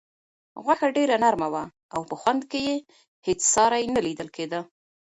غوښه ډېره نرمه وه او په خوند کې یې هیڅ ساری نه لیدل کېده.